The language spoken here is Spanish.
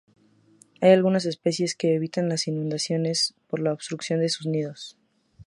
Hay algunas especies que evitan las inundaciones por la obstrucción de sus nidos.